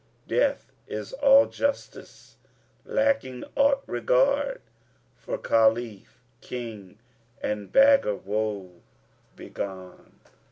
Death is all justest, lacking aught regard * For Caliph king and beggar woe begone.'"